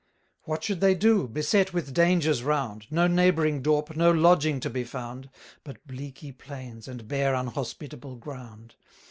What should they do, beset with dangers round, 610 No neighbouring dorp, no lodging to be found, But bleaky plains, and bare unhospitable ground.